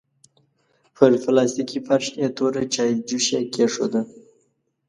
پر پلاستيکي فرش يې توره چايجوشه کېښوده.